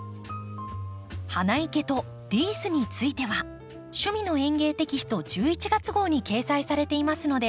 花生けとリースについては「趣味の園芸」テキスト１１月号に掲載されていますので